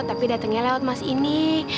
tapi datangnya lewat mas ini